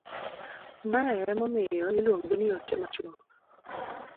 mae emomiyo iluonge ni ote machuok